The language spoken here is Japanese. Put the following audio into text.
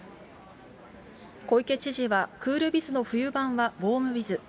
小池知事は、クールビズの冬版はウォームビズ。